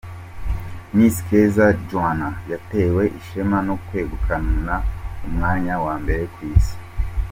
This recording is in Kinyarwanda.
Miss Keza Joannah yatewe ishema no kwegukana umwanya wa mbere ku isi.